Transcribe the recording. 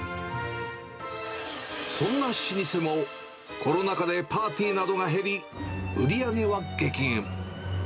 そんな老舗も、コロナ禍でパーティーなどが減り、売り上げは激減。